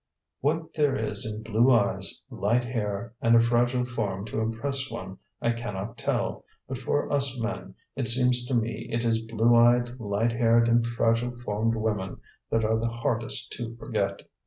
"What there is in blue eyes, light hair, and a fragile form to impress one, I cannot tell; but for us men it seems to me it is blue eyed, light haired, and fragile formed women that are the hardest to forget."